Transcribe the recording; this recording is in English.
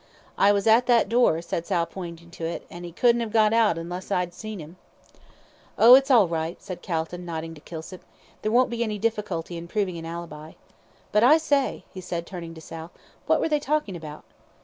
"I was at that door," said Sal, pointing to it, "an' 'e couldn't 'ave got out unless I'd seen 'im." "Oh, it's all right," said Calton, nodding to Kilsip, "there won't be any difficulty in proving an ALIBI. But I say," he added, turning to Sal, "what were they talking about?"